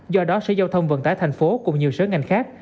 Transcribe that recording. do đó sở giao thông vận tải thành phố cùng nhiều sở ngành khác